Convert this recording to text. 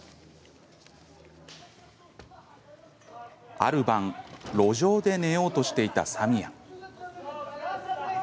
ある晩、路上で寝ようとしていたサミア。